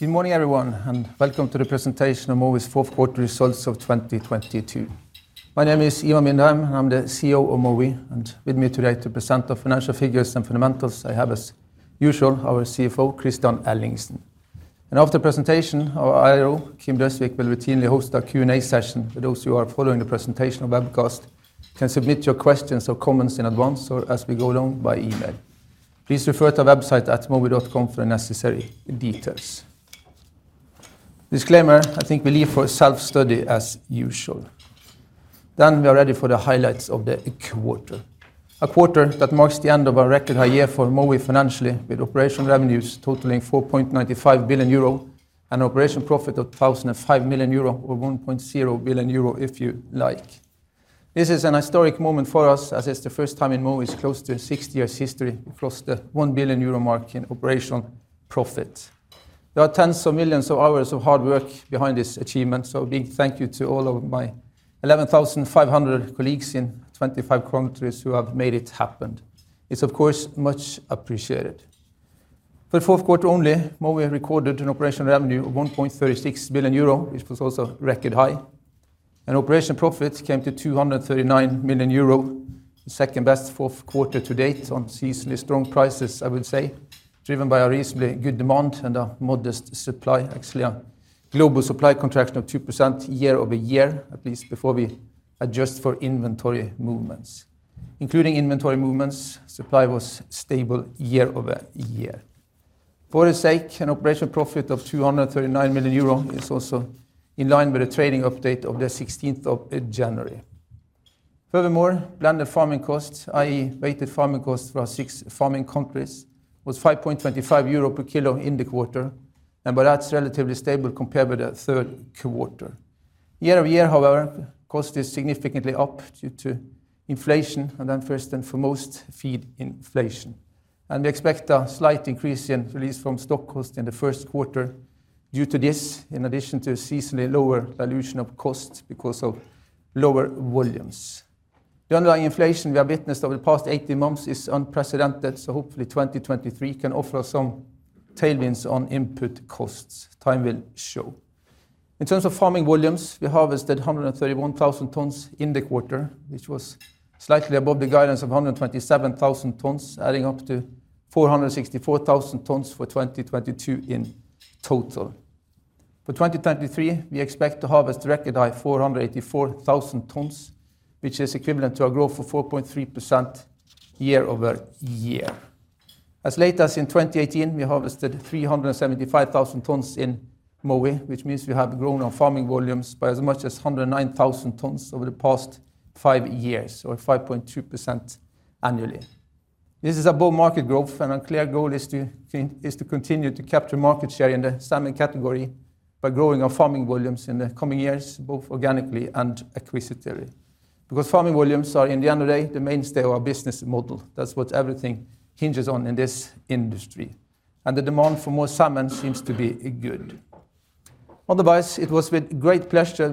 Good morning, everyone, and welcome to the presentation of Mowi's fourth quarter results of 2022. My name is Ivan Vindheim, and I'm the CEO of Mowi. With me today to present our financial figures and fundamentals, I have, as usual, our CFO, Kristian Ellingsen. After presentation, our IR, Kim Døsvig, will routinely host a Q&A session for those who are following the presentation on webcast, can submit your questions or comments in advance or as we go along by email. Please refer to our website at mowi.com for necessary details. Disclaimer, I think we leave for self-study as usual. We are ready for the highlights of the quarter. A quarter that marks the end of a record high year for Mowi financially, with operational revenues totaling 4.95 billion euro and operational profit of 1,005 million euro or 1.0 billion euro if you like. This is an historic moment for us, as it's the first time in Mowi's close to 60 years history, we've crossed the 1 billion euro mark in operational profit. There are tens of millions of hours of hard work behind this achievement, so a big thank you to all of my 11,500 colleagues in 25 countries who have made it happen. It's of course, much appreciated. For fourth quarter only, Mowi recorded an operational revenue of 1.36 billion euro, which was also record high. Operational profit came to 239 million euro, the second-best fourth quarter to date on seasonally strong prices, I would say, driven by a reasonably good demand and a modest supply, actually a global supply contraction of 2% year-over-year, at least before we adjust for inventory movements. Including inventory movements, supply was stable year-over-year. For the sake, an operational profit of 239 million euro is also in line with the trading update of the 16th of January. Furthermore, blended farming costs, i.e., weighted farming costs for our six farming countries, was 5.25 euro per kg in the quarter, and that's relatively stable compared with the third quarter. Year-over-year, however, cost is significantly up due to inflation and then first and foremost, feed inflation. We expect a slight increase in release from stock cost in the first quarter due to this, in addition to seasonally lower dilution of costs because of lower volumes. The underlying inflation we have witnessed over the past 18 months is unprecedented, so hopefully 2023 can offer some tailwinds on input costs. Time will show. In terms of farming volumes, we harvested 131,000 tons in the quarter, which was slightly above the guidance of 127,000 tons, adding up to 464,000 tons for 2022 in total. For 2023, we expect to harvest record high 484,000 tons, which is equivalent to a growth of 4.3% year-over-year. As late as in 2018, we harvested 375,000 tons in Mowi, which means we have grown our farming volumes by as much as 109,000 tons over the past five years or 5.2% annually. This is above market growth. Our clear goal is to continue to capture market share in the salmon category by growing our farming volumes in the coming years, both organically and acquisitively. Farming volumes are, at the end of the day, the mainstay of our business model. That's what everything hinges on in this industry. The demand for more salmon seems to be good. Otherwise, it was with great pleasure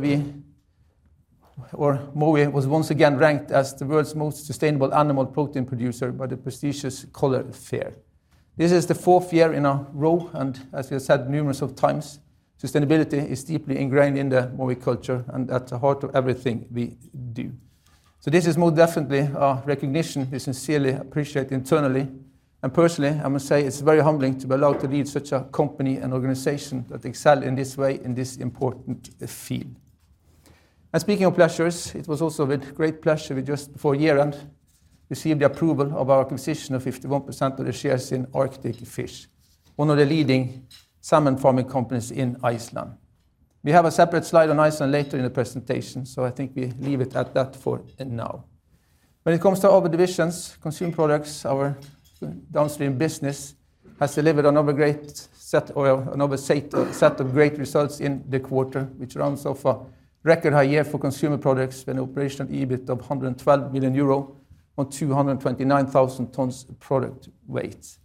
Mowi was once again ranked as the world's most sustainable animal protein producer by the prestigious Coller FAIRR. This is the fourth year in a row, as we have said numerous of times, sustainability is deeply ingrained in the Mowi culture and at the heart of everything we do. This is most definitely a recognition we sincerely appreciate internally. Personally, I must say it's very humbling to be allowed to lead such a company and organization that excel in this way in this important field. Speaking of pleasures, it was also with great pleasure we just before year-end received the approval of our acquisition of 51% of the shares in Arctic Fish, one of the leading salmon farming companies in Iceland. We have a separate slide on Iceland later in the presentation, so I think we leave it at that for now. When it comes to our divisions, Consumer Products, our downstream business has delivered another great set of great results in the quarter, which rounds off a record high year for Consumer Products and operational EBIT of 112 million euro on 229,000 tons product weight.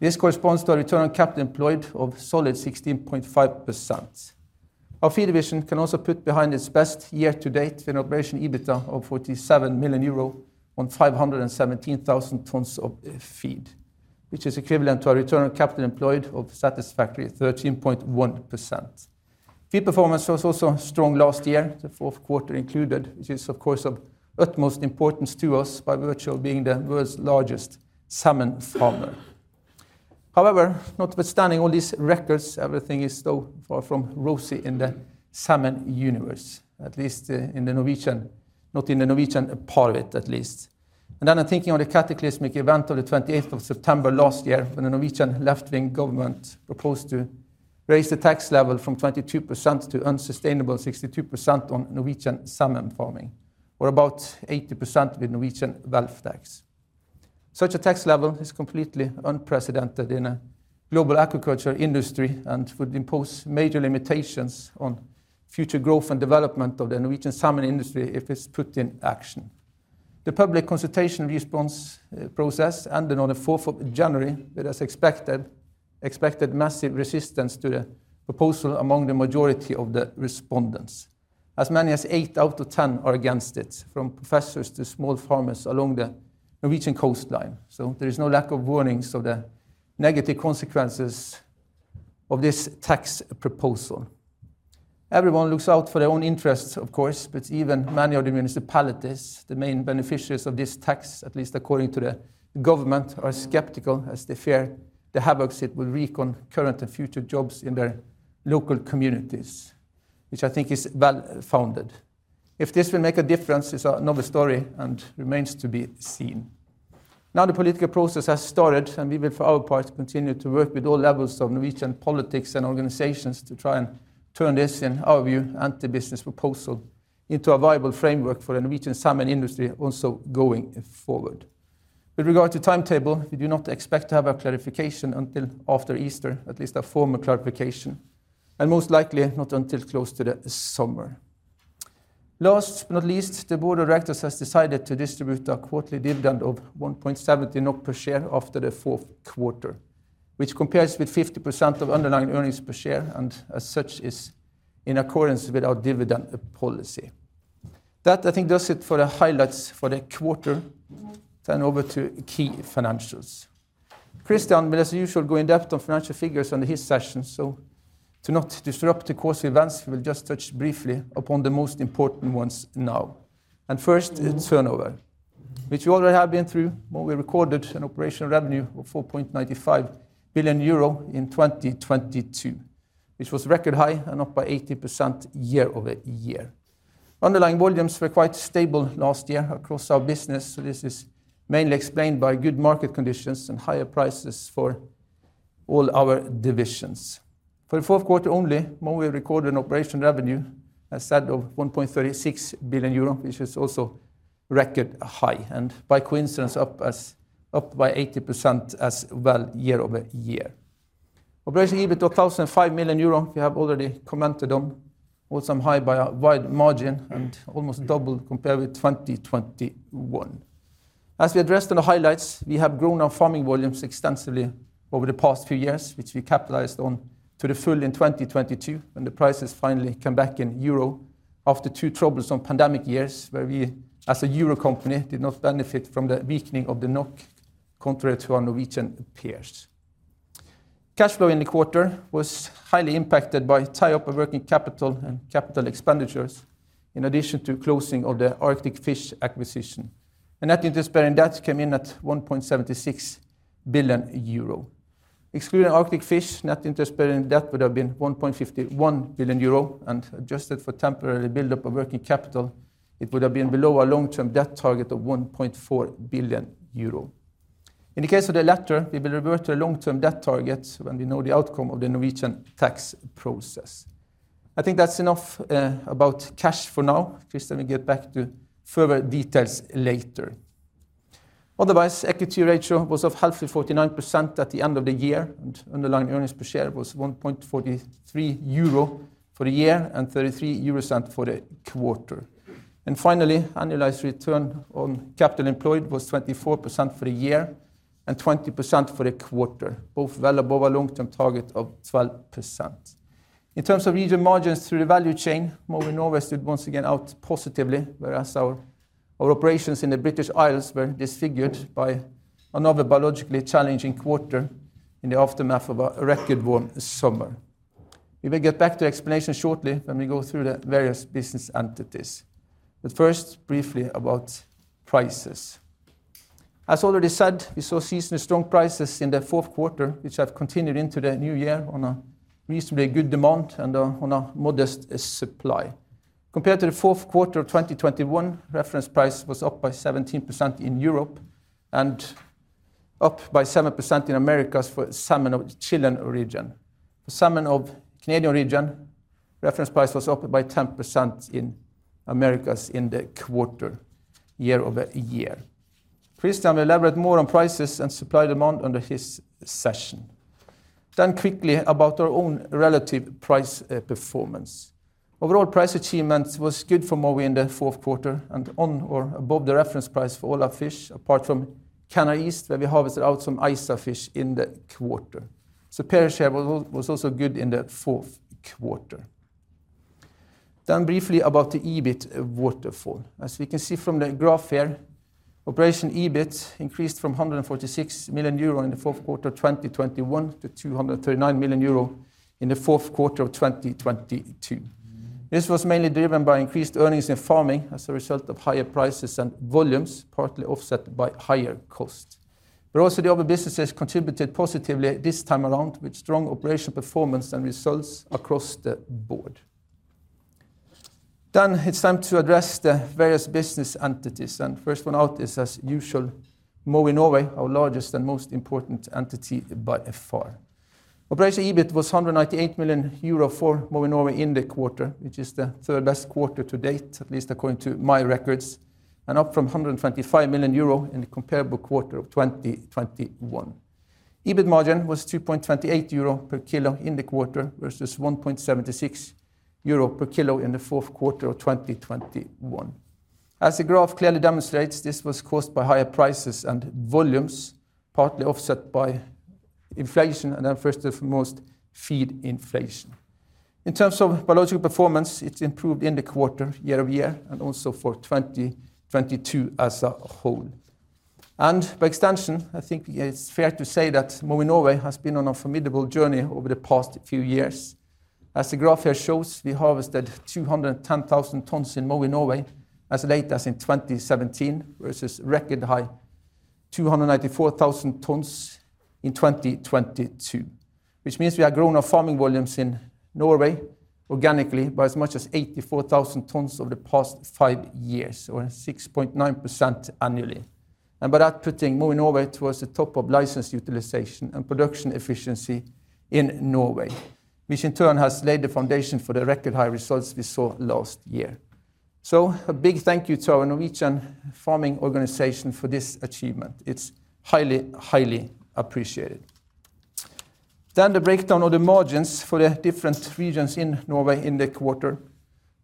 This corresponds to a return on capital employed of solid 16.5%. Our Feed division can also put behind its best year to date an operational EBITA of 47 million euro on 517,000 tons of feed, which is equivalent to a return on capital employed of satisfactory 13.1%. Feed performance was also strong last year, the fourth quarter included, which is of course of utmost importance to us by virtue of being the world's largest salmon farmer. However, notwithstanding all these records, everything is still far from rosy in the salmon universe, at least in the Norwegian, not in the Norwegian part of it, at least. I'm thinking of the cataclysmic event of the 28th of September last year when the Norwegian left-wing government proposed to raise the tax level from 22% to unsustainable 62% on Norwegian salmon farming or about 80% with Norwegian wealth tax. Such a tax level is completely unprecedented in a global agriculture industry and would impose major limitations on future growth and development of the Norwegian salmon industry if it's put in action. The public consultation response process ended on the fourth of January with as expected massive resistance to the proposal among the majority of the respondents. As many as eight out of 10 are against it, from professors to small farmers along the Norwegian coastline. There is no lack of warnings of the negative consequences of this tax proposal. Everyone looks out for their own interests, of course, but even many of the municipalities, the main beneficiaries of this tax, at least according to the government, are skeptical as they fear the havoc it will wreak on current and future jobs in their local communities, which I think is well-founded. If this will make a difference is another story and remains to be seen. Now the political process has started, and we will for our part continue to work with all levels of Norwegian politics and organizations to try and turn this, in our view, anti-business proposal into a viable framework for the Norwegian salmon industry also going forward. With regard to timetable, we do not expect to have a clarification until after Easter, at least a formal clarification, and most likely not until close to the summer. Last but not least, the board of directors has decided to distribute a quarterly dividend of 1.70 NOK per share after the fourth quarter, which compares with 50% of underlying earnings per share and as such is in accordance with our dividend policy. That I think does it for the highlights for the quarter. Turn over to key financials. Kristian will as usual go in-depth on financial figures under his session. To not disrupt the course of events, we will just touch briefly upon the most important ones now. First, turnover, which we already have been through, Mowi recorded an operational revenue of 4.95 billion euro in 2022, which was record high and up by 80% year-over-year. Underlying volumes were quite stable last year across our business. This is mainly explained by good market conditions and higher prices for all our divisions. For the fourth quarter only, Mowi recorded an operational revenue as said of 1.36 billion euro, which is also record high and by coincidence up by 80% as well year-over-year. Operating EBIT of 1,005 million euro, we have already commented on, also high by a wide margin and almost double compared with 2021. As we addressed in the highlights, we have grown our farming volumes extensively over the past few years, which we capitalized on to the full in 2022 when the prices finally came back in EUR after two troublesome pandemic years where we, as a EUR company, did not benefit from the weakening of the NOK, contrary to our Norwegian peers. Cash flow in the quarter was highly impacted by tie-up of working capital and CapEx in addition to closing of the Arctic Fish acquisition. NIBD came in at 1.76 billion euro. Excluding Arctic Fish, NIBD would have been 1.51 billion euro, and adjusted for temporary buildup of working capital, it would have been below our long-term debt target of 1.4 billion euro. In the case of the latter, we will revert to the long-term debt target when we know the outcome of the Norwegian tax process. I think that's enough about cash for now. Kristian will get back to further details later. Equity ratio was a healthy 49% at the end of the year, and underlying earnings per share was 1.43 euro for the year and 0.33 for the quarter. Finally, annualized return on capital employed was 24% for the year and 20% for the quarter, both well above our long-term target of 12%. In terms of regional margins through the value chain, Mowi Norway stood once again out positively, whereas our operations in the British Isles were disfigured by another biologically challenging quarter in the aftermath of a record warm summer. We will get back to explanation shortly when we go through the various business entities. First, briefly about prices. As already said, we saw seasonally strong prices in the fourth quarter, which have continued into the new year on a reasonably good demand and on a modest supply. Compared to the fourth quarter of 2021, reference price was up by 17% in Europe and up by 7% in Americas for salmon of Chilean origin. For salmon of Canadian origin, reference price was up by 10% in Americas in the quarter year-over-year. Kristian will elaborate more on prices and supply demand under his session. Quickly about our own relative price performance. Overall price achievement was good for Mowi in the fourth quarter and on or above the reference price for all our fish, apart from Canada East, where we harvested out some ISA fish in the quarter. Per share was also good in the fourth quarter. Briefly about the EBIT waterfall. As we can see from the graph here, operation EBIT increased from 146 million euro in the fourth quarter of 2021 to 239 million euro in the fourth quarter of 2022. This was mainly driven by increased earnings in farming as a result of higher prices and volumes, partly offset by higher costs. Also the other businesses contributed positively this time around with strong operational performance and results across the board. It's time to address the various business entities, and first one out is, as usual, Mowi Norway, our largest and most important entity by far. Operational EBIT was 198 million euro for Mowi Norway in the quarter, which is the third best quarter to date, at least according to my records, and up from 125 million euro in the comparable quarter of 2021. EBIT margin was 2.28 euro per kg in the quarter, versus 1.76 euro per kg in the fourth quarter of 2021. As the graph clearly demonstrates, this was caused by higher prices and volumes, partly offset by inflation and then first and foremost, feed inflation. In terms of biological performance, it's improved in the quarter year-over-year and also for 2022 as a whole. By extension, I think it's fair to say that Mowi Norway has been on a formidable journey over the past few years. As the graph here shows, we harvested 210,000 tons in Mowi Norway as late as in 2017 versus record high 294,000 tons in 2022. Which means we have grown our farming volumes in Norway organically by as much as 84,000 tons over the past five years, or 6.9% annually. By that putting Mowi Norway towards the top of license utilization and production efficiency in Norway, which in turn has laid the foundation for the record high results we saw last year. A big thank you to our Norwegian farming organization for this achievement. It's highly appreciated. The breakdown of the margins for the different regions in Norway in the quarter.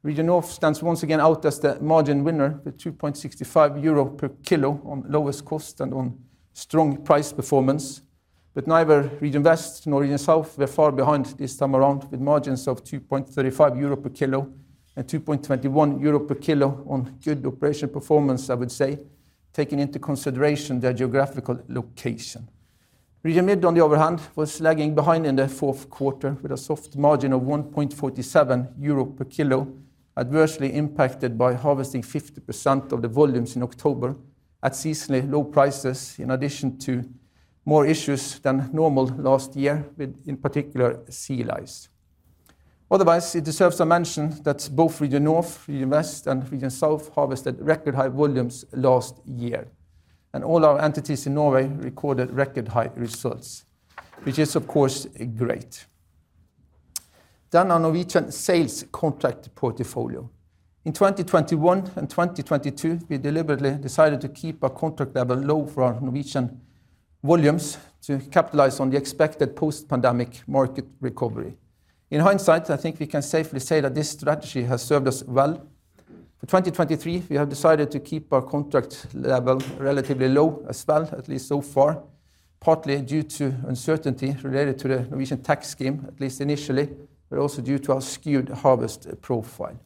Region North stands once again out as the margin winner with 2.65 euro per kg on lowest cost and on strong price performance. Neither Region West nor Region South were far behind this time around, with margins of 2.35 euro per kg and 2.21 euro per kg on good operation performance, I would say, taking into consideration their geographical location. Region Mid, on the other hand, was lagging behind in the fourth quarter with a soft margin of 1.47 euro per kg, adversely impacted by harvesting 50% of the volumes in October at seasonally low prices, in addition to more issues than normal last year with, in particular, sea lice. It deserves a mention that both Region North, Region West, and Region South harvested record high volumes last year. All our entities in Norway recorded record high results, which is of course, great. Our Norwegian sales contract portfolio. In 2021 and 2022, we deliberately decided to keep our contract level low for our Norwegian volumes to capitalize on the expected post-pandemic market recovery. In hindsight, I think we can safely say that this strategy has served us well. For 2023, we have decided to keep our contract level relatively low as well, at least so far, partly due to uncertainty related to the Norwegian tax scheme, at least initially, but also due to our skewed harvest profile.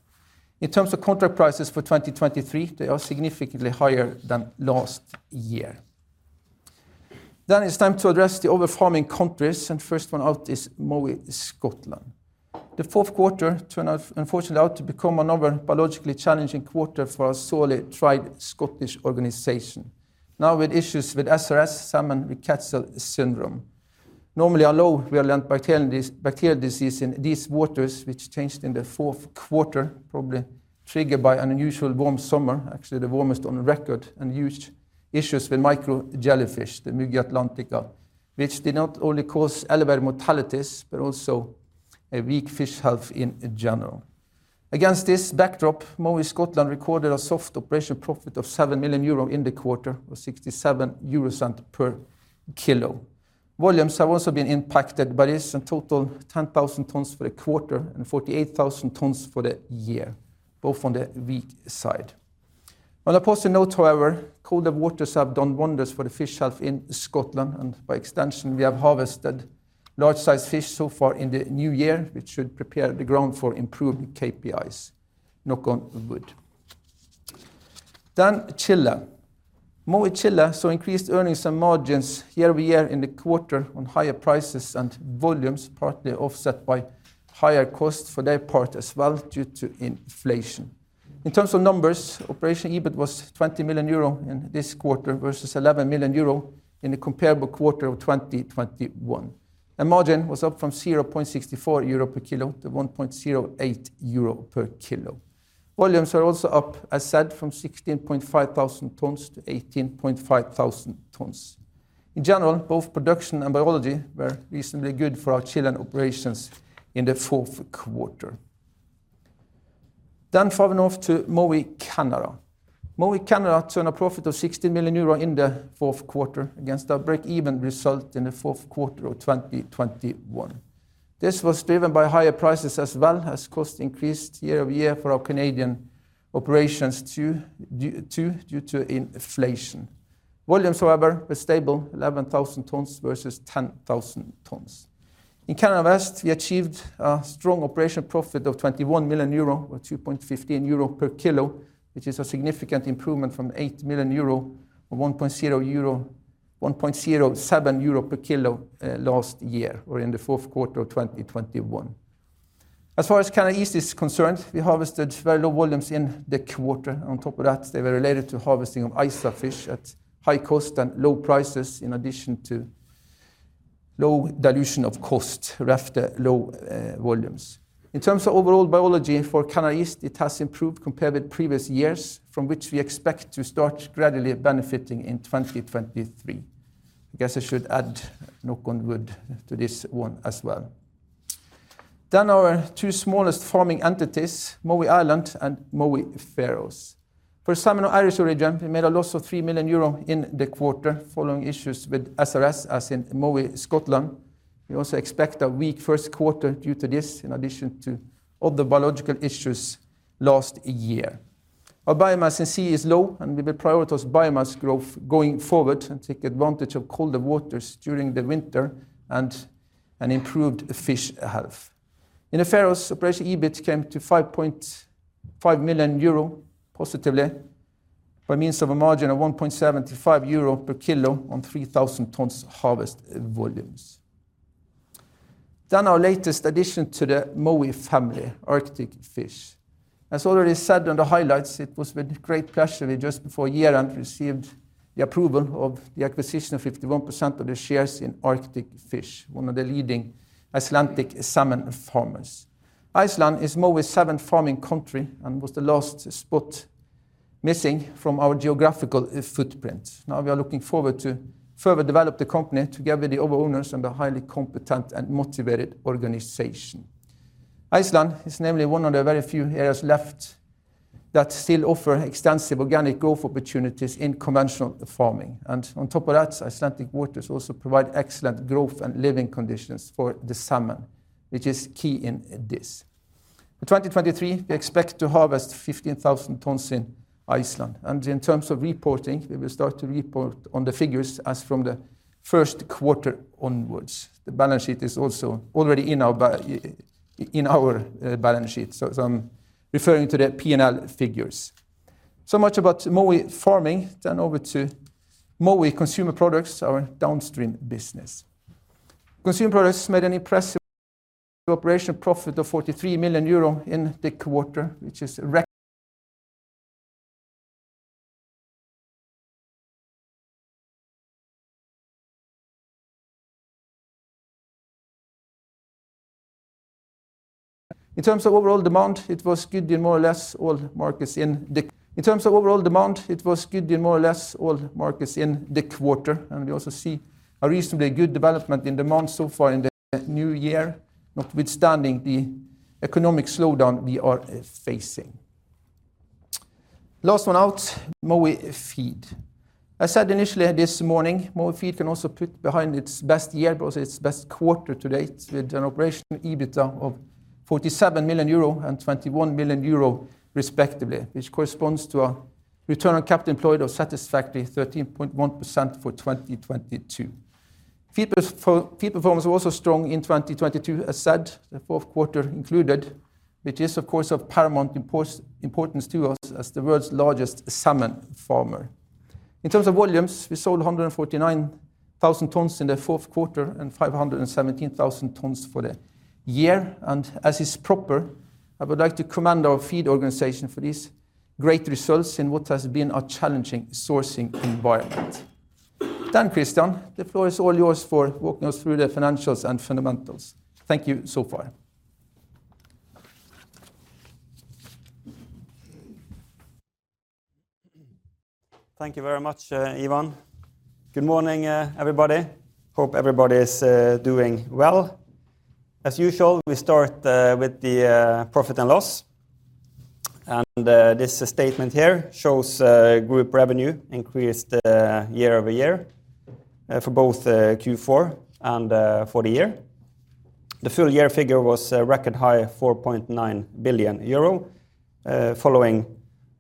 In terms of contract prices for 2023, they are significantly higher than last year. It's time to address the other farming countries, and first one out is Mowi Scotland. The fourth quarter turned out, unfortunately, to become another biologically challenging quarter for our sorely tried Scottish organization. With issues with SRS, Salmon Rickettsial Syndrome. Normally a low virulent bacterial disease in these waters, which changed in the fourth quarter, probably triggered by an unusual warm summer, actually the warmest on record, and huge issues with micro jellyfish, the Muggiaea atlantica, which did not only cause elevated mortalities, but also a weak fish health in general. Against this backdrop, Mowi Scotland recorded a soft operation profit of 7 million euro in the quarter or 0.67 per kg. Volumes have also been impacted by this in total 10,000 tons for the quarter and 48,000 tons for the year, both on the weak side. On a positive note, however, colder waters have done wonders for the fish health in Scotland, and by extension, we have harvested large size fish so far in the new year, which should prepare the ground for improved KPIs. Knock on wood. Chile. Mowi Chile saw increased earnings and margins year-over-year in the quarter on higher prices and volumes, partly offset by higher costs for their part as well due to inflation. In terms of numbers, operation EBIT was 20 million euro in this quarter versus 11 million euro in the comparable quarter of 2021. Margin was up from 0.64 euro per kg to 1.08 euro per kg. Volumes are also up, as said, from 16,500 tons to 18,500 tons. In general, both production and biology were reasonably good for our Chilean operations in the fourth quarter. Flying off to Mowi Canada. Mowi Canada turned a profit of 60 million euro in the fourth quarter against a break-even result in the fourth quarter of 2021. This was driven by higher prices as well as cost increased year-over-year for our Canadian operations too due to inflation. Volumes, however, were stable, 11,000 tons versus 10,000 tons. In Canada West, we achieved a strong operation profit of 21 million euro or 2.15 euro per kg, which is a significant improvement from 8 million euro or 1.07 euro per kg last year or in the fourth quarter of 2021. As far as Canada East is concerned, we harvested very low volumes in the quarter. On top of that, they were related to harvesting of ISA fish at high cost and low prices, in addition to low dilution of cost after low volumes. In terms of overall biology for Canada East, it has improved compared with previous years from which we expect to start gradually benefiting in 2023. I guess I should add knock on wood to this one as well. Our two smallest farming entities, Mowi Ireland and Mowi Faroes. For Salmon of Irish origin, we made a loss of 3 million euro in the quarter following issues with SRS, as in Mowi Scotland. We also expect a weak first quarter due to this, in addition to other biological issues last year. Our biomass in sea is low, and we will prioritize biomass growth going forward and take advantage of colder waters during the winter and improved fish health. In the Faroes, operation EBIT came to 5.5 million euro positively by means of a margin of 1.75 euro per kg on 3,000 tons harvest volumes. Our latest addition to the Mowi family, Arctic Fish. As already said on the highlights, it was with great pleasure we just before year-end received the approval of the acquisition of 51% of the shares in Arctic Fish, one of the leading Icelandic salmon farmers. Iceland is Mowi's seventh farming country and was the last spot missing from our geographical footprint. We are looking forward to further develop the company together with the other owners and the highly competent and motivated organization. Iceland is namely one of the very few areas left that still offer extensive organic growth opportunities in conventional farming. On top of that, Icelandic waters also provide excellent growth and living conditions for the salmon, which is key in this. For 2023, we expect to harvest 15,000 tons in Iceland, and in terms of reporting, we will start to report on the figures as from the first quarter onwards. The balance sheet is also already in our balance sheet, so I'm referring to the P&L figures. So much about Mowi Farming. Over to Mowi Consumer Products, our downstream business. Consumer products made an impressive operating profit of 43 million euro in the quarter. In terms of overall demand, it was good in more or less all markets in the quarter, and we also see a reasonably good development in demand so far in the new year, notwithstanding the economic slowdown we are facing. Last one out, Mowi Feed. I said initially this morning, Mowi Feed can also put behind its best year, but also its best quarter to date, with an operational EBIT of 47 million euro and 21 million euro respectively, which corresponds to a return on capital employed of satisfactory 13.1% for 2022. Feed performance was also strong in 2022, as said, the fourth quarter included, which is of course of paramount importance to us as the world's largest salmon farmer. In terms of volumes, we sold 149,000 tons in the fourth quarter and 517,000 tons for the year. As is proper, I would like to commend our feed organization for these great results in what has been a challenging sourcing environment. Kristian, the floor is all yours for walking us through the financials and fundamentals. Thank you so far. Thank you very much, Ivan. Good morning, everybody. Hope everybody is doing well. As usual, we start with the profit and loss. This statement here shows group revenue increased year-over-year for both Q4 and for the year. The full year figure was a record high 4.9 billion euro following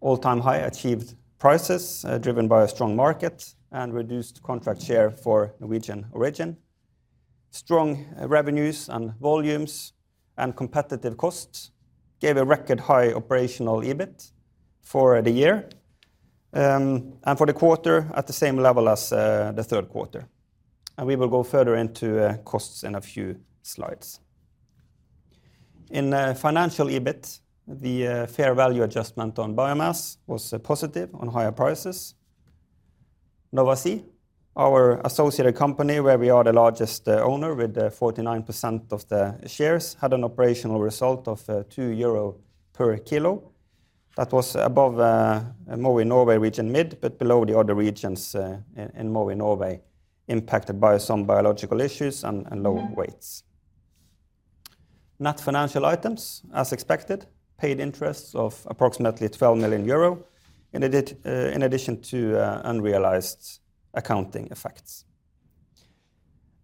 all-time high achieved prices driven by a strong market and reduced contract share for Norwegian origin. Strong revenues and volumes and competitive costs gave a record high operational EBIT for the year and for the quarter at the same level as the 3rd quarter. We will go further into costs in a few slides. In financial EBIT, the fair value adjustment on biomass was positive on higher prices. Nova Sea, our associated company where we are the largest owner with 49% of the shares, had an operational result of 2 euro per kg. That was above Mowi Norway region mid, but below the other regions in Mowi Norway, impacted by some biological issues and low weights. Net financial items, as expected, paid interests of approximately 12 million euro in addition to unrealized accounting effects.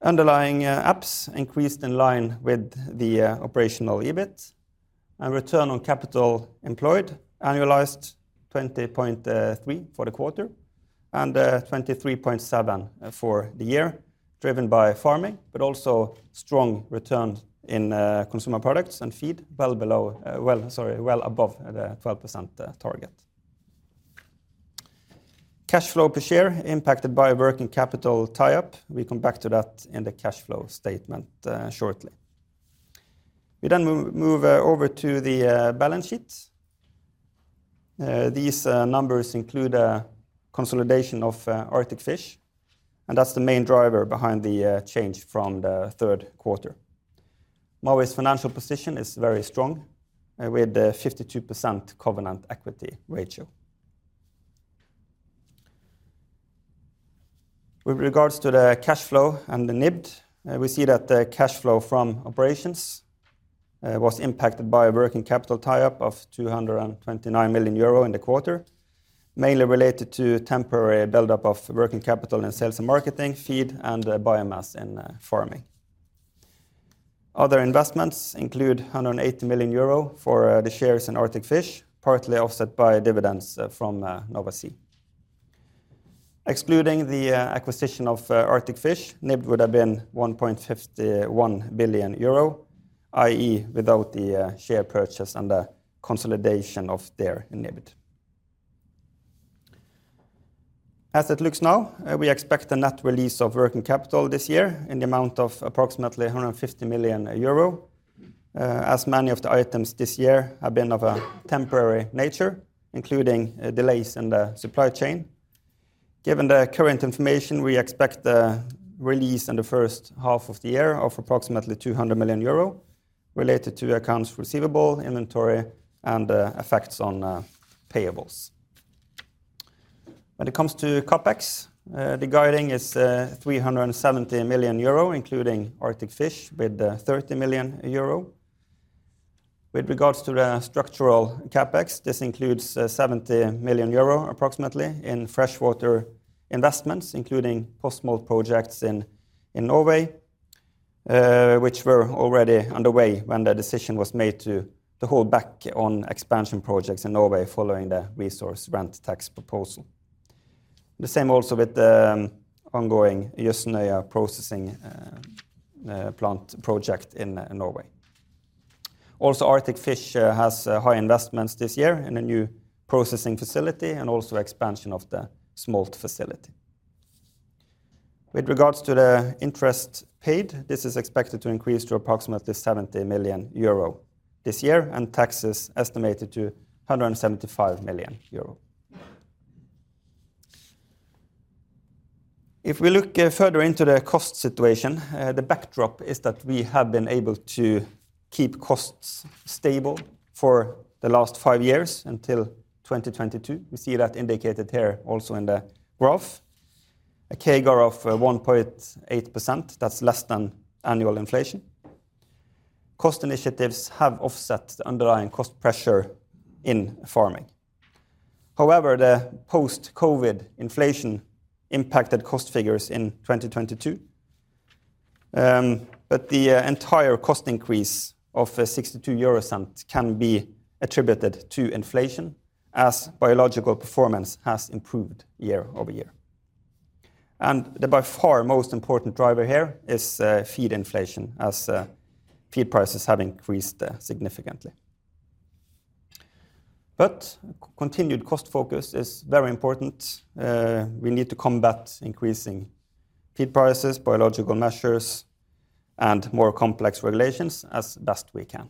Underlying EPS increased in line with the operational EBIT and return on capital employed, annualized 20.3 for the quarter and 23.7 for the year, driven by farming, but also strong return in Consumer Products and Feed, well below, Sorry, well above the 12% target. Cash flow per share impacted by working capital tie-up. We come back to that in the cash flow statement shortly. We then move over to the balance sheet. These numbers include a consolidation of Arctic Fish, and that's the main driver behind the change from the third quarter. Mowi's financial position is very strong, with a 52% covenant equity ratio. With regards to the cash flow and the NIBD, we see that the cash flow from operations was impacted by a working capital tie-up of 229 million euro in the quarter, mainly related to temporary buildup of working capital in sales and marketing, feed, and biomass in farming. Other investments include 180 million euro for the shares in Arctic Fish, partly offset by dividends from Nova Sea. Excluding the acquisition of Arctic Fish, NIBD would have been 1.51 billion euro, i.e., without the share purchase and the consolidation of their NIBD. As it looks now, we expect a net release of working capital this year in the amount of approximately 150 million euro, as many of the items this year have been of a temporary nature, including delays in the supply chain. Given the current information, we expect a release in the first half of the year of approximately 200 million euro related to accounts receivable, inventory, and effects on payables. When it comes to CapEx, the guiding is 370 million euro, including Arctic Fish with 30 million euro. With regards to the structural CapEx, this includes 70 million euro approximately in freshwater investments, including post-smolt projects in Norway, which were already underway when the decision was made to hold back on expansion projects in Norway following the resource rent tax proposal. The same also with the ongoing Gjesnesøya processing plant project in Norway. Arctic Fish has high investments this year in a new processing facility and also expansion of the smolt facility. With regards to the interest paid, this is expected to increase to approximately 70 million euro this year, and tax is estimated to 175 million euro. If we look further into the cost situation, the backdrop is that we have been able to keep costs stable for the last five years until 2022. We see that indicated here also in the graph. A CAGR of 1.8%, that's less than annual inflation. Cost initiatives have offset the underlying cost pressure in farming. However, the post-COVID inflation impacted cost figures in 2022, but the entire cost increase of 0.62 can be attributed to inflation as biological performance has improved year-over-year. The by far most important driver here is feed inflation as feed prices have increased significantly. Continued cost focus is very important. We need to combat increasing feed prices, biological measures, and more complex regulations as best we can.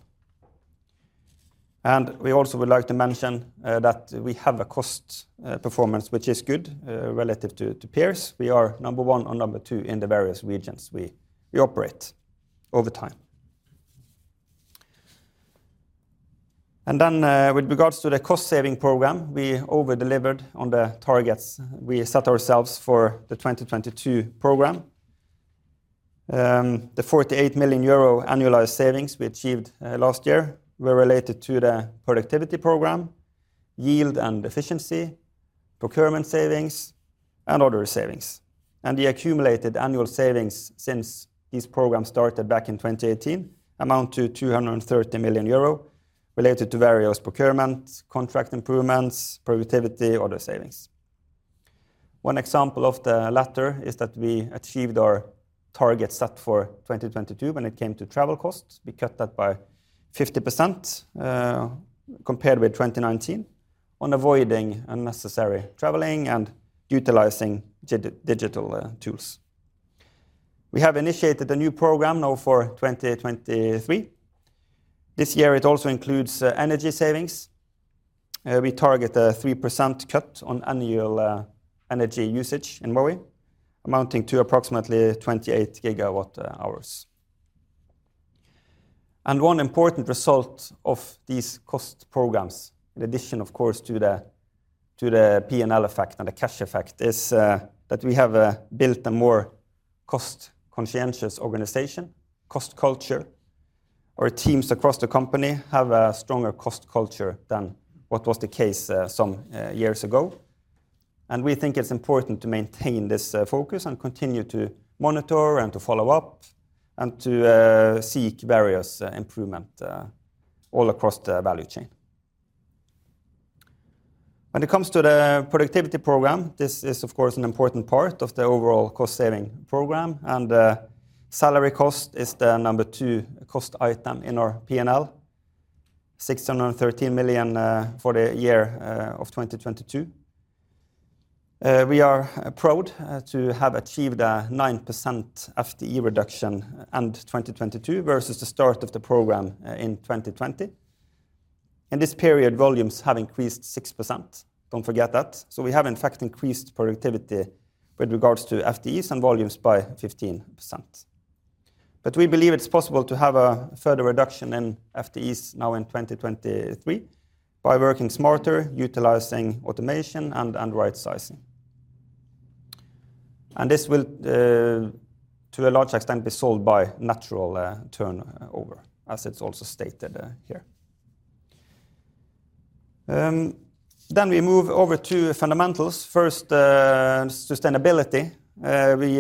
We also would like to mention that we have a cost performance which is good relative to peers. We are number one or number two in the various regions we operate over time. Then, with regards to the cost-saving program, we over-delivered on the targets we set ourselves for the 2022 program. The 48 million euro annualized savings we achieved last year were related to the productivity program, yield and efficiency, procurement savings, and other savings. The accumulated annual savings since this program started back in 2018 amount to 230 million euro related to various procurement, contract improvements, productivity, other savings. One example of the latter is that we achieved our target set for 2022 when it came to travel costs. We cut that by 50% compared with 2019 on avoiding unnecessary traveling and utilizing digital tools. We have initiated a new program now for 2023. This year, it also includes energy savings. We target a 3% cut on annual energy usage in Mowi, amounting to approximately 28 gigawatt hours. One important result of these cost programs, in addition, of course, to the P&L effect and the cash effect, is that we have built a more cost-conscientious organization, cost culture. Our teams across the company have a stronger cost culture than what was the case some years ago, and we think it's important to maintain this focus and continue to monitor and to follow up and to seek various improvement all across the value chain. When it comes to the productivity program, this is of course an important part of the overall cost-saving program, and salary cost is the number two cost item in our P&L, 613 million for the year of 2022. We are proud to have achieved a 9% FTE reduction end 2022 versus the start of the program in 2020. In this period, volumes have increased 6%. Don't forget that. We have in fact increased productivity with regards to FTEs and volumes by 15%. We believe it's possible to have a further reduction in FTEs now in 2023 by working smarter, utilizing automation, and right sizing. This will to a large extent be solved by natural turnover, as it's also stated here. We move over to fundamentals. First, sustainability. We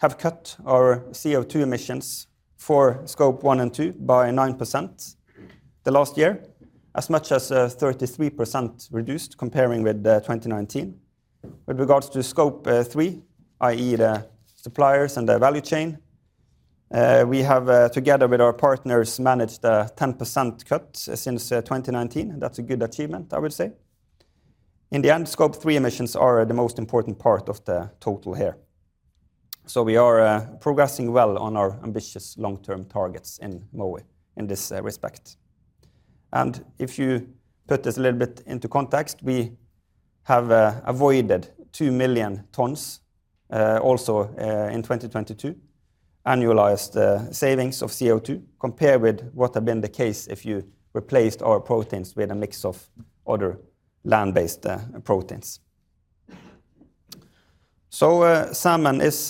have cut our CO₂ emissions for Scope 1 and 2 by 9% the last year, as much as, 33% reduced comparing with, 2019. With regards to Scope 3, i.e., the suppliers and their value chain, we have, together with our partners, managed a 10% cut since, 2019. That's a good achievement, I would say. In the end, Scope 3 emissions are the most important part of the total here. We are progressing well on our ambitious long-term targets in Mowi in this, respect. If you put this a little bit into context, we have avoided 2 million tons also in 2022, annualized savings of CO₂ compared with what had been the case if you replaced our proteins with a mix of other land-based proteins. Salmon is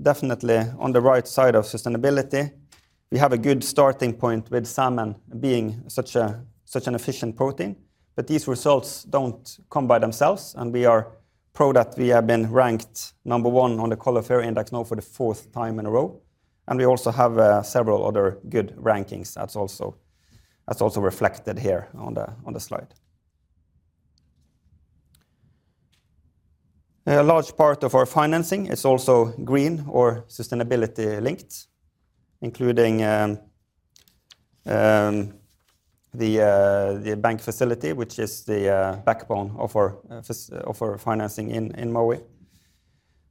definitely on the right side of sustainability. We have a good starting point with salmon being such a, such an efficient protein, but these results don't come by themselves, and we are proud that we have been ranked number one on the Coller FAIRR Index now for the fourth time in a row. We also have several other good rankings that's also reflected here on the slide. A large part of our financing is also green or sustainability linked, including the bank facility, which is the backbone of our financing in Mowi.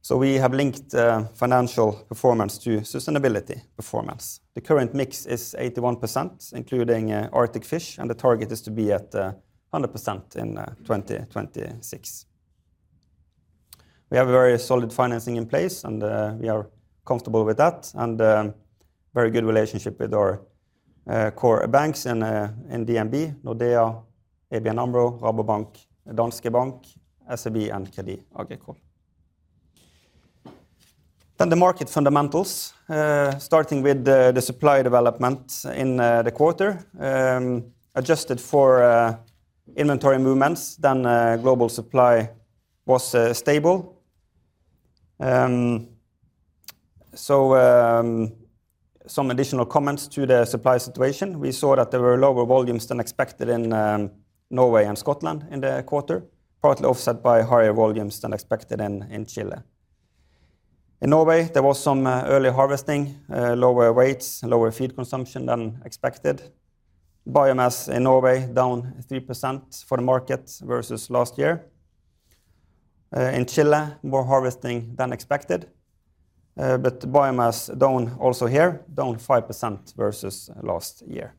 We have linked financial performance to sustainability performance. The current mix is 81%, including Arctic Fish, and the target is to be at 100% in 2026. We have a very solid financing in place, and we are comfortable with that, and very good relationship with our core banks in DNB, Nordea, ABN AMRO, Rabobank, Danske Bank, SEB, and Crédit Agricole. The market fundamentals, starting with the supply development in the quarter, adjusted for inventory movements, global supply was stable. Some additional comments to the supply situation. We saw that there were lower volumes than expected in Norway and Scotland in the quarter, partly offset by higher volumes than expected in Chile. In Norway, there was some early harvesting, lower weights and lower feed consumption than expected. Biomass in Norway down 3% for the market versus last year. In Chile, more harvesting than expected, but biomass down also here, down 5% versus last year.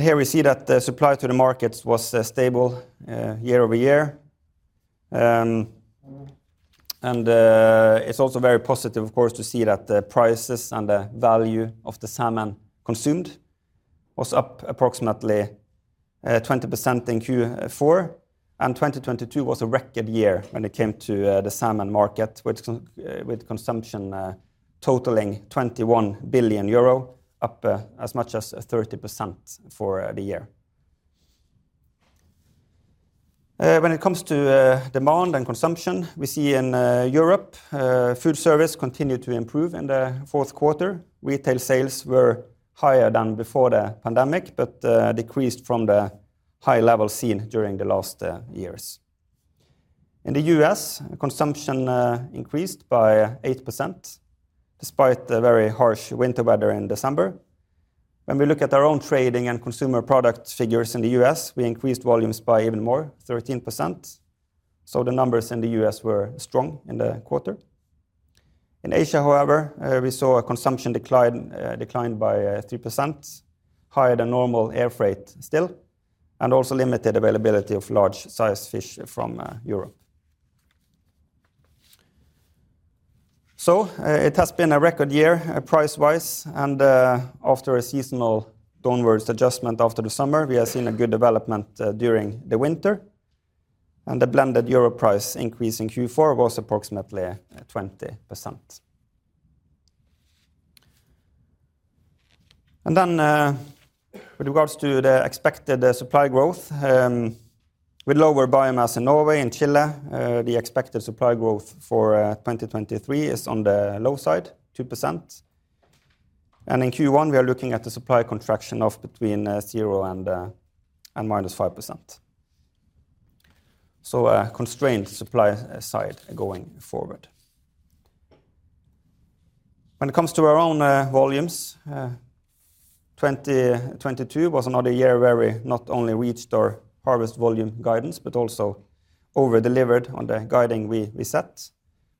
Here we see that the supply to the markets was stable year-over-year. It's also very positive, of course, to see that the prices and the value of the salmon consumed was up approximately 20% in Q4, and 2022 was a record year when it came to the salmon market with consumption totaling 21 billion euro, up as much as 30% for the year. When it comes to demand and consumption, we see in Europe, food service continued to improve in the fourth quarter. Retail sales were higher than before the pandemic, but decreased from the high level seen during the last years. In the U.S., consumption increased by 8% despite the very harsh winter weather in December. When we look at our own trading and consumer product figures in the U.S., we increased volumes by even more, 13%. The numbers in the U.S. were strong in the quarter. In Asia, however, we saw a consumption decline by 3%, higher than normal air freight still, and also limited availability of large-sized fish from Europe. It has been a record year price-wise, and after a seasonal downwards adjustment after the summer, we have seen a good development during the winter, and the blended EUR price increase in Q4 was approximately 20%. With regards to the expected supply growth, with lower biomass in Norway and Chile, the expected supply growth for 2023 is on the low side, 2%. In Q1, we are looking at a supply contraction of between zero and minus 5%. A constrained supply side going forward. When it comes to our own volumes, 2022 was another year where we not only reached our harvest volume guidance but also over-delivered on the guiding we set.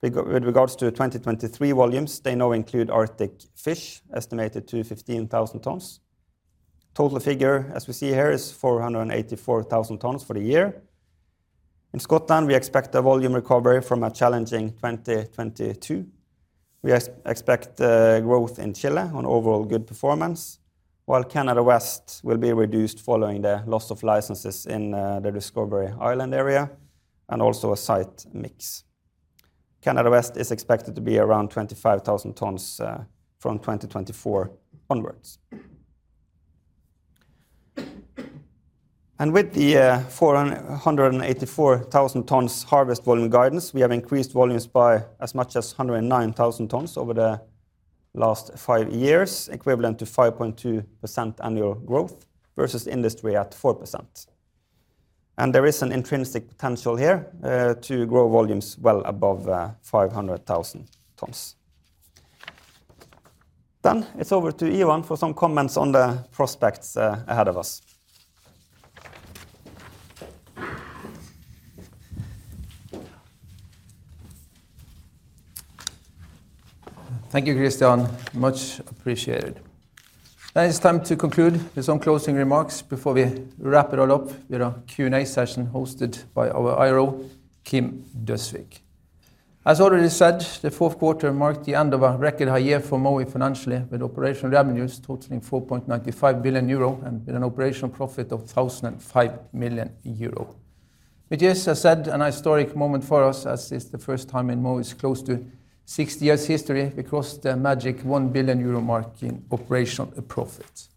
With regards to 2023 volumes, they now include Arctic Fish estimated to 15,000 tons. Total figure, as we see here, is 484,000 tons for the year. In Scotland, we expect a volume recovery from a challenging 2022. We expect growth in Chile on overall good performance, while Canada West will be reduced following the loss of licenses in the Discovery Island area and also a site mix. Canada West is expected to be around 25,000 tons from 2024 onwards. With the 484,000 tons harvest volume guidance, we have increased volumes by as much as 109,000 tons over the last five years, equivalent to 5.2% annual growth versus industry at 4%. There is an intrinsic potential here to grow volumes well above 500,000 tons. It's over to Ivan for some comments on the prospects ahead of us. Thank you, Kristian. Much appreciated. Now it's time to conclude with some closing remarks before we wrap it all up with a Q&A session hosted by our IRO, Kim Døsvig. Already said, the fourth quarter marked the end of a record high year for Mowi financially, with operational revenues totaling 4.95 billion euro and with an operational profit of 1,005 million euro. It is, as said, an historic moment for us, as it's the first time in Mowi's close to 60 years history we crossed the magic 1 billion euro mark in operational profit.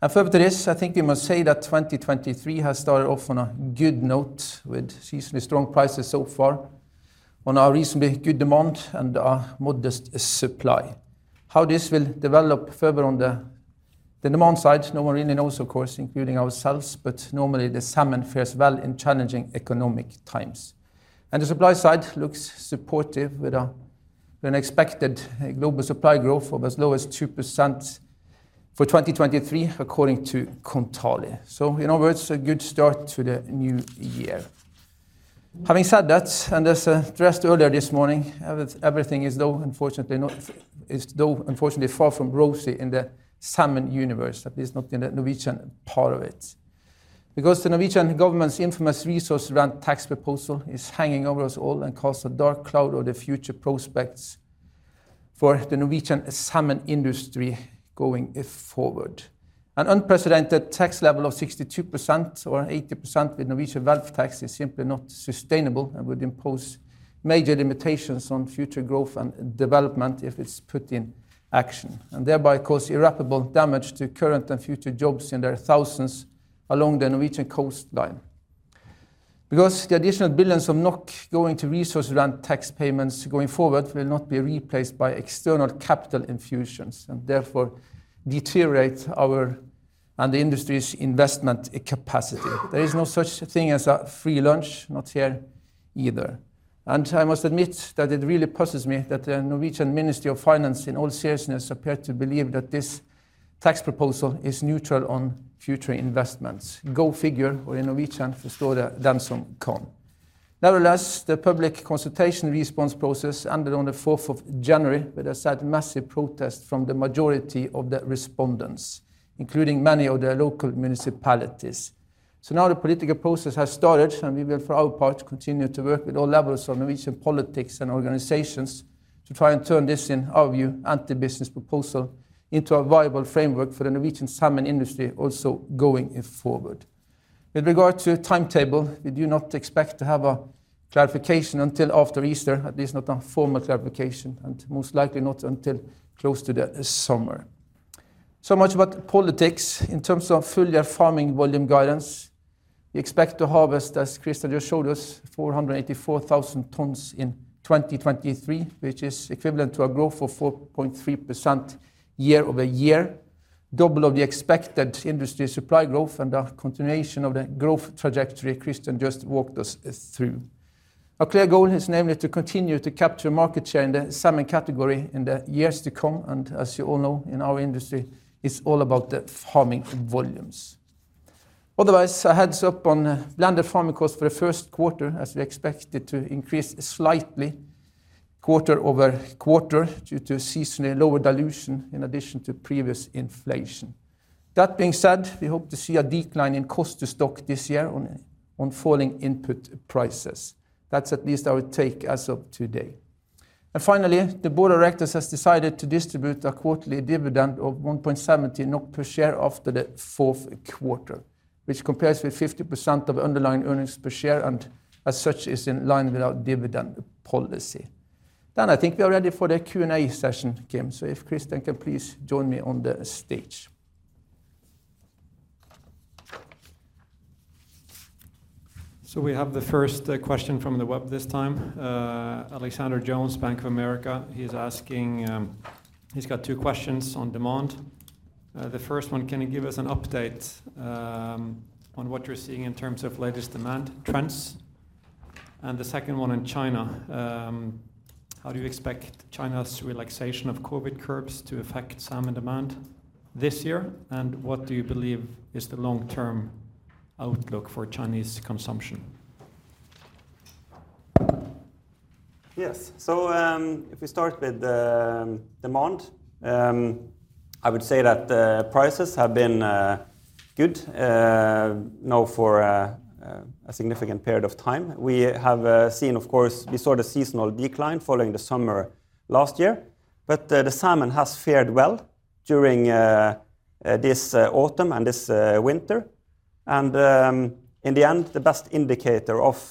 Further to this, I think we must say that 2023 has started off on a good note with seasonally strong prices so far on our reasonably good demand and our modest supply. How this will develop further on the demand side, no one really knows, of course, including ourselves, but normally the salmon fares well in challenging economic times. The supply side looks supportive with an expected global supply growth of as low as 2% for 2023, according to Kontali. In other words, a good start to the new year. Having said that, and as addressed earlier this morning, everything is though unfortunately far from rosy in the salmon universe, at least not in the Norwegian part of it. The Norwegian government's infamous resource rent tax proposal is hanging over us all and casts a dark cloud over the future prospects for the Norwegian salmon industry going forward. An unprecedented tax level of 62% or 80% with Norwegian wealth tax is simply not sustainable and would impose major limitations on future growth and development if it's put in action, and thereby cause irreparable damage to current and future jobs in their thousands along the Norwegian coastline. The additional billions of NOK going to resource rent tax payments going forward will not be replaced by external capital infusions, and therefore deteriorate our and the industry's investment capacity. There is no such thing as a free lunch, not here either. I must admit that it really puzzles me that the Norwegian Ministry of Finance in all seriousness appear to believe that this tax proposal is neutral on future investments. Go figure, or in Norwegian, «Forstå det den som kan». Nevertheless, the public consultation response process ended on the fourth of January with a sad, massive protest from the majority of the respondents, including many of the local municipalities. Now the political process has started, and we will, for our part, continue to work with all levels of Norwegian politics and organizations to try and turn this, in our view, anti-business proposal into a viable framework for the Norwegian salmon industry also going forward. With regard to timetable, we do not expect to have a clarification until after Easter, at least not a formal clarification, and most likely not until close to the summer. Much about politics. In terms of full-year farming volume guidance, we expect to harvest, as Kristian just showed us, 484,000 tons in 2023, which is equivalent to a growth of 4.3% year-over-year, double of the expected industry supply growth and a continuation of the growth trajectory Kristian just walked us through. Our clear goal is namely to continue to capture market share in the salmon category in the years to come, and as you all know, in our industry, it's all about the farming volumes. A heads-up on landed farming costs for the first quarter, as we expect it to increase slightly quarter-over-quarter due to seasonally lower dilution in addition to previous inflation. That being said, we hope to see a decline in cost to stock this year on falling input prices. That's at least our take as of today. Finally, the board of directors has decided to distribute a quarterly dividend of 1.70 NOK per share after the fourth quarter, which compares with 50% of underlying earnings per share and as such is in line with our dividend policy. I think we are ready for the Q&A session, Kim. If Kristian can please join me on the stage. We have the first question from the web this time. Alexander Jones, Bank of America, he's asking. He's got two questions on demand. The first one, can you give us an update on what you're seeing in terms of latest demand trends? The second one in China, how do you expect China's relaxation of COVID curbs to affect salmon demand this year? What do you believe is the long-term outlook for Chinese consumption? Yes. If we start with the demand, I would say that the prices have been good now for a significant period of time. We have seen, of course, we saw the seasonal decline following the summer last year, but the salmon has fared well during this autumn and this winter. In the end, the best indicator of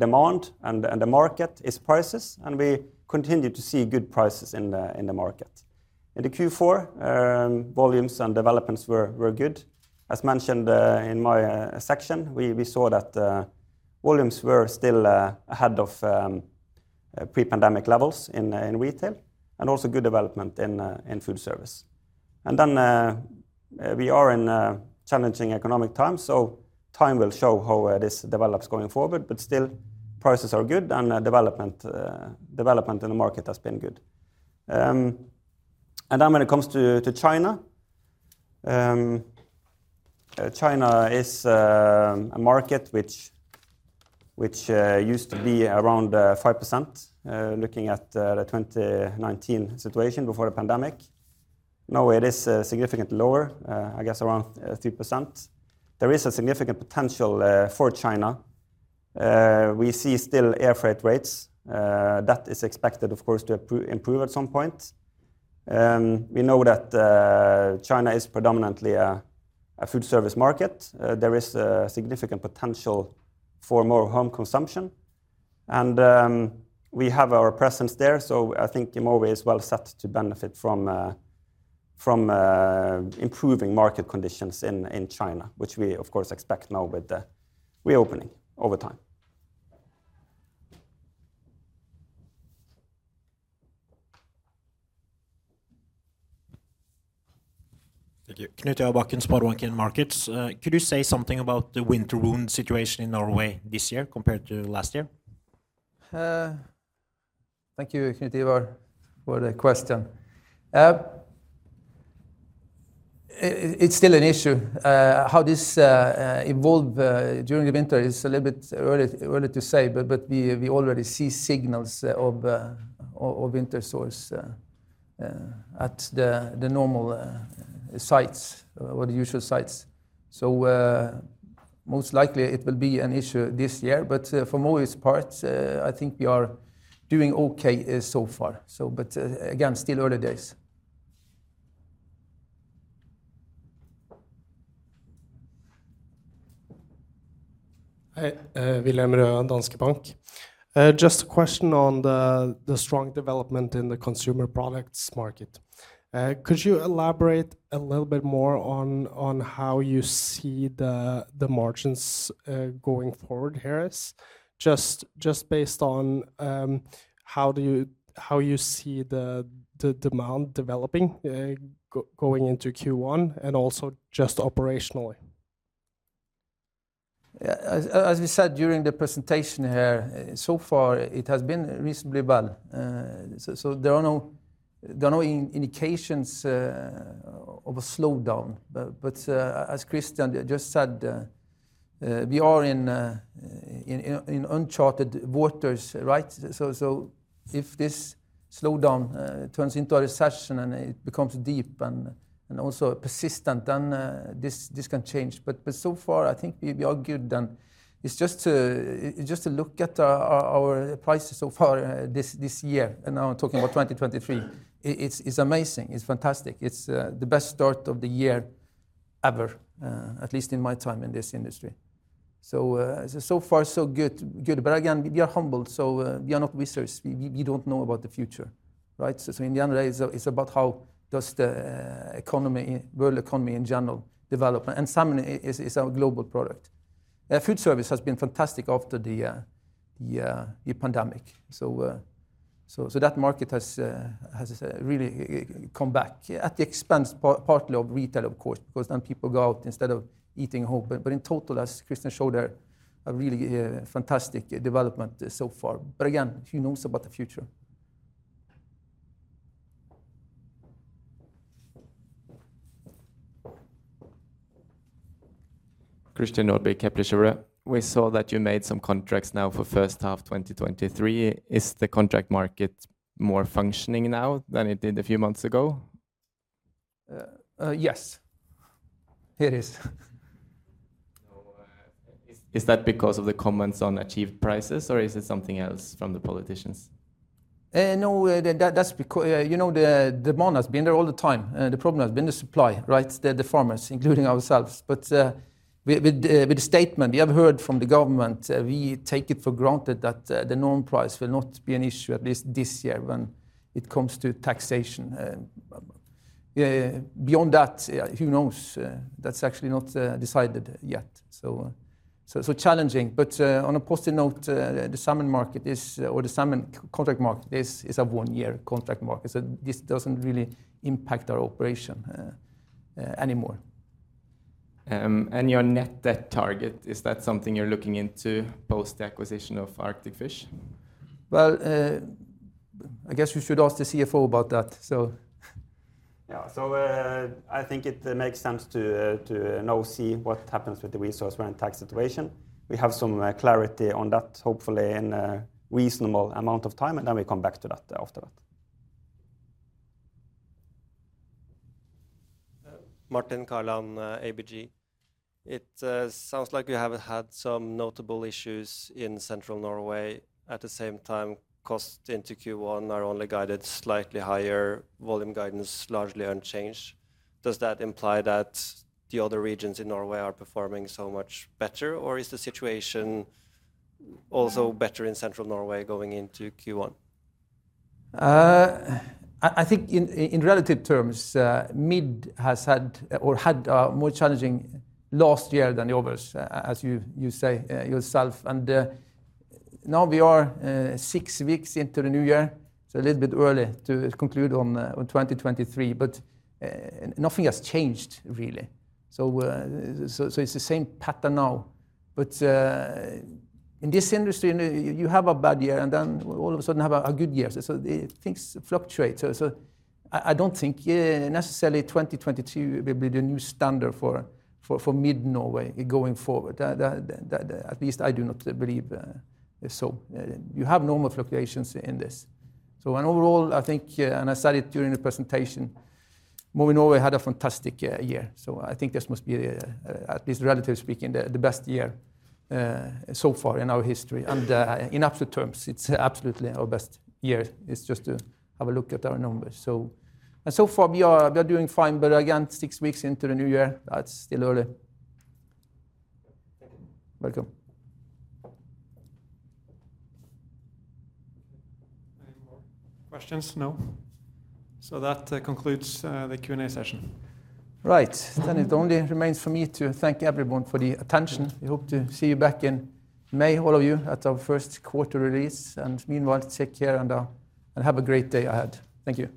demand and the market is prices, and we continue to see good prices in the market. In the Q4, volumes and developments were good. As mentioned, in my section, we saw that volumes were still ahead of pre-pandemic levels in retail and also good development in food service. We are in a challenging economic time, so time will show how this develops going forward. Still prices are good, and development in the market has been good. When it comes to China is a market which used to be around 5%, looking at the 2019 situation before the pandemic. Now it is significantly lower, I guess around 3%. There is a significant potential for China. We see still air freight rates. That is expected, of course, to improve at some point. We know that China is predominantly a food service market. There is a significant potential for more home consumption, and we have our presence there, so I think Mowi is well set to benefit from improving market conditions in China, which we of course expect now with the reopening over time. Thank you. Knut Ivar Bakken, SpareBank 1 Markets. Could you say something about the winter wound situation in Norway this year compared to last year? Thank you, Knut Ivar, for the question. It's still an issue. How this evolve during the winter is a little bit early to say, but we already see signals of winter source at the normal sites or the usual sites. Most likely it will be an issue this year. For Mowi's part, I think we are doing okay so far. But again, still early days. Hi, William Røe, Danske Bank. Just a question on the strong development in the Consumer Products market. Could you elaborate a little bit more on how you see the margins going forward, just based on how you see the demand developing going into Q1 and also just operationally? As we said during the presentation here, so far it has been reasonably well. There are no indications of a slowdown. As Kristian just said, we are in uncharted waters, right? If this slowdown turns into a recession and it becomes deep and also persistent, then this can change. So far, I think we are good. It's just to look at our prices so far this year, and now I'm talking about 2023, it's amazing. It's fantastic. It's the best start of the year ever, at least in my time in this industry. So far, so good. Again, we are humble, so we are not wizards. We don't know about the future, right? In the end, it's about how does the economy, world economy in general develop. Salmon is our global product. Food service has been fantastic after the pandemic. That market has really come back at the expense partly of retail of course, because then people go out instead of eating at home. In total, as Kristian showed there, a really fantastic development so far. Again, who knows about the future? We saw that you made some contracts now for first half 2023. Is the contract market more functioning now than it did a few months ago? Yes, it is. Is that because of the comments on achieved prices, or is it something else from the politicians? No, you know, the demand has been there all the time. The problem has been the supply, right? The farmers, including ourselves. With the statement we have heard from the government, we take it for granted that the normal price will not be an issue at least this year when it comes to taxation. Beyond that, who knows? That's actually not decided yet, so challenging. On a positive note, the salmon market is, or the salmon contract market is a one-year contract market, so this doesn't really impact our operation anymore. Your net debt target, is that something you're looking into post the acquisition of Arctic Fish? Well, I guess you should ask the CFO about that, so... I think it makes sense to now see what happens with the resource rent tax situation. We have some clarity on that, hopefully in a reasonable amount of time, and then we come back to that afterward. Uh- Martin Kaland, ABG. It sounds like you have had some notable issues in central Norway. At the same time, costs into Q1 are only guided slightly higher, volume guidance largely unchanged. Does that imply that the other regions in Norway are performing so much better, or is the situation also better in central Norway going into Q1? I think in relative terms, Mowi has had or had a more challenging last year than the others, as you say yourself. Now we are six weeks into the new year, so a little bit early to conclude on 2023, nothing has changed really. It's the same pattern now. In this industry, you know, you have a bad year and then all of a sudden have a good year. The things fluctuate. I don't think necessarily 2022 will be the new standard for Mowi Norway going forward. At least I do not believe so. You have normal fluctuations in this. When overall, I think, and I said it during the presentation, Mowi Norway had a fantastic year. I think this must be, at least relatively speaking, the best year so far in our history. In absolute terms, it's absolutely our best year. It's just to have a look at our numbers. So far we are doing fine, but again, six weeks into the new year, that's still early. Thank you. Welcome. Any more questions? No. That concludes the Q&A session. Right. It only remains for me to thank everyone for the attention. We hope to see you back in May, all of you, at our First Quarter release. Meanwhile, take care and have a great day ahead. Thank you.